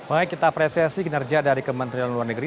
baik kita apresiasi kinerja dari kementerian luar negeri